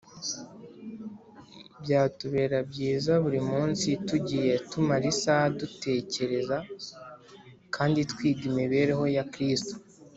Byatubera byiza buri munsi tugiye tumara isaha dutekereza kandi twiga imibereho ya Kristo